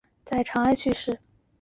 在长安去世。